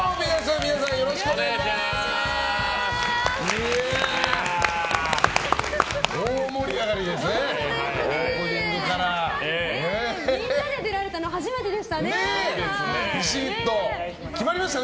みんなで出られたの初めてでしたね。